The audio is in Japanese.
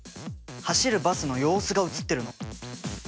走るバスの様子が映ってるの。